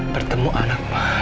bertemu anak maha